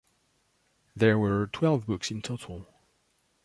There were twelve books in total.